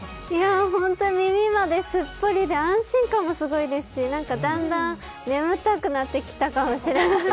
ホント耳まですっぽりで安心感もすごいですしだんだん眠たくなってきたかもしれない。